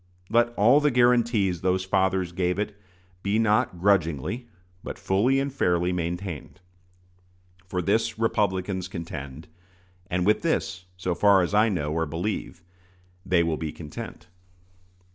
Let all the guarantees those fathers gave it be not grudgingly, but fully and fairly, maintained. For this Republicans contend, and with this, so far as I know or believe, they will be content.